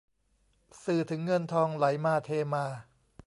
สื่อถึงเงินทองไหลมาเทมา